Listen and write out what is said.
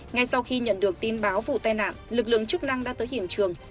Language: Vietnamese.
ngay sau khi nhận được tin báo vụ tai nạn lực lượng chức năng đã tới hiện trường